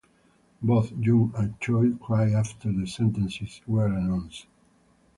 Both Jung and Choi cried after the sentences were announced.